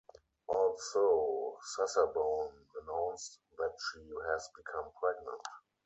Also, Sasabone announced that she has become pregnant.